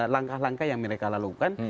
langkah langkah yang mereka lakukan